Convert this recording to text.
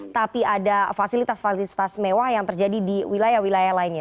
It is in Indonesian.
tapi ada fasilitas fasilitas mewah yang terjadi di wilayah wilayah lainnya